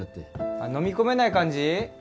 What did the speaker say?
あっ飲み込めない感じ？